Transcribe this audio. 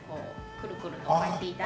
くるくると巻いて頂いて。